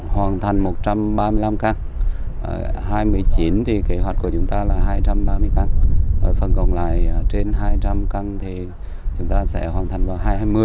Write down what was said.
hoàn thành một trăm ba mươi năm căn hai thì kế hoạch của chúng ta là hai trăm ba mươi căn phần còn lại trên hai trăm linh căn thì chúng ta sẽ hoàn thành vào hai nghìn hai mươi